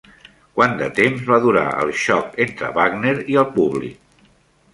Quant de temps va durar el xoc entre Wagner i el públic?